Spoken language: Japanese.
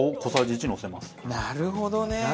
なるほどね！